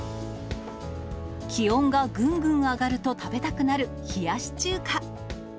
気温がぐんぐん上がると食べたくなる、冷やし中華。